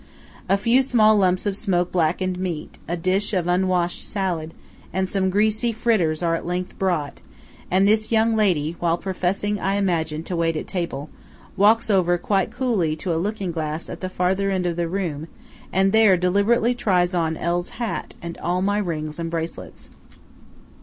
A few small lumps of smoke blackened meat, a dish of unwashed salad, and some greasy fritters are at length brought; and this young lady, while professing, I imagine, to wait at table, walks over quite coolly to a looking glass at the farther end of the room, and there deliberately tries on L.'s hat and all my rings and bracelets.